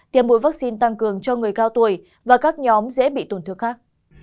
tiêm mũi vaccine tăng cường cho người cao tuổi và các nhóm dễ bị tổn thương khác